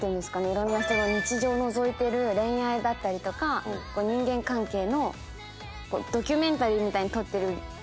いろんな人の日常のぞいてる恋愛だったりとか人間関係のドキュメンタリーみたいに撮ってる。